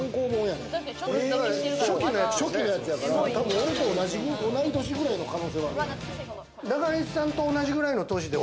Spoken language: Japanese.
初期のやつやから、俺と同い年くらいの可能性あるよ。